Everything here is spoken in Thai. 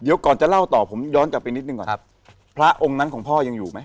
เดี๋ยวก่อนจะเล่าต่อผมย้อนกลับไปนิดหนึ่งก่อนครับพระองค์นั้นของพ่อยังอยู่ไหม